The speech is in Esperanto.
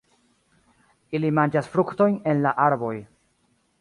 Ili manĝas fruktojn en la arboj.